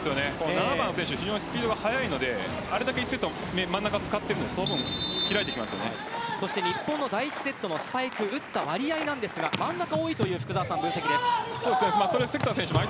７番の選手、スピードが速いので１セット真ん中を使っているので日本の第１セットのスパイクを打った割合ですが真ん中が多いという分析です。